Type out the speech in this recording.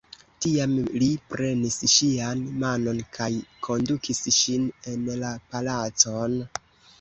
Tiam li prenis ŝian manon kaj kondukis ŝin en la palacon.